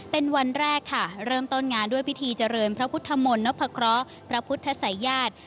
เป็นวันแรกค่ะเริ่มต้นงานด้วยพิธีเจริญพระพุทธมนต์นพครพระพุทธศัยญาติ